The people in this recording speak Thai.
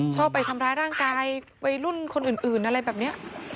ไปทำร้ายร่างกายวัยรุ่นคนอื่นอะไรแบบนี้